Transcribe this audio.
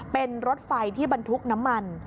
เป็นรถไฟที่บรรทุกน้ำมัน